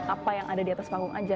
apa yang ada di atas panggung aja